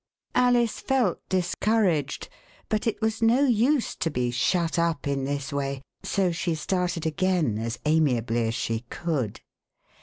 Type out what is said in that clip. Alice felt discouraged, but it was no use to be shut 40 Alice at St. Stephen's up in this way, so she started again as amiably as she could.